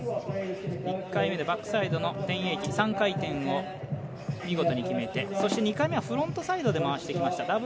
１回目でバックサイドの１０８０３回転を見事に決めてそして２回目はフロントサイドで回してきました